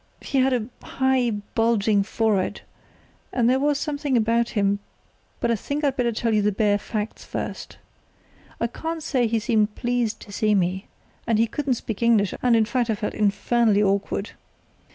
He had a high, bulging forehead, and there was something about him—but I think I'd better tell you the bare facts first. I can't say he seemed pleased to see me, and he couldn't speak English, and, in fact, I felt infernally awkward.